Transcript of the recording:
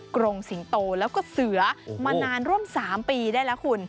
กรงสิงโตแล้วก็เสือมานานร่วม๓ปีได้แล้วคุณ